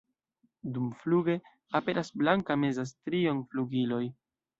Dumfluge aperas blanka meza strio en flugiloj.